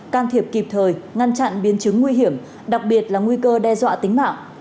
can thiệp kịp thời ngăn chặn biến chứng nguy hiểm đặc biệt là nguy cơ đe dọa tính mạng